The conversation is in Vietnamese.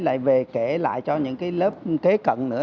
lại về kể lại cho những cái lớp kế cận nữa